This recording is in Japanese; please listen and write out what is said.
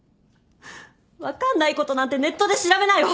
分かんないことなんてネットで調べなよ！